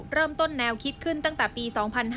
เริ่มต้นแนวคิดขึ้นตั้งแต่ปี๒๕๕๙